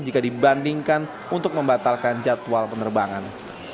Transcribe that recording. jika dibandingkan untuk membatalkan jadwal penerbangan